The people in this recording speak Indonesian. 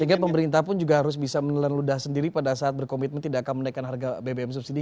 sehingga pemerintah pun juga harus bisa menelan ludah sendiri pada saat berkomitmen tidak akan menaikkan harga bbm subsidi